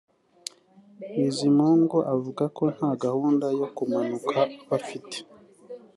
Bizimungu avuga ko nta gahunda yo kumanuka bafite